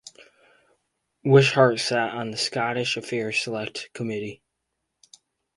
Wishart sat on the Scottish Affairs Select Committee.